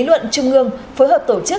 xin chào và hẹn gặp lại